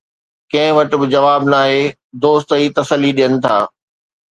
ڪنهن وٽ به جواب ناهي، دوست ئي تسلي ڏين ٿا.